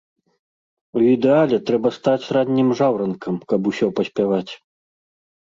У ідэале трэба стаць раннім жаўранкам, каб усё паспяваць.